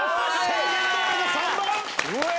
宣言どおりの３番！